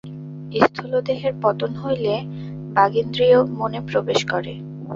স্থূলদেহের পতন হইলে বাগিন্দ্রিয় মনে প্রবেশ করে।